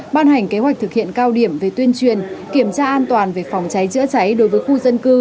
ban hành kế hoạch thực hiện cao điểm về tuyên truyền kiểm tra an toàn về phòng cháy chữa cháy đối với khu dân cư